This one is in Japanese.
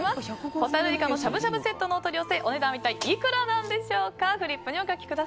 ほたるいかのしゃぶしゃぶセットのお取り寄せお値段は一体いくらなんでしょうか。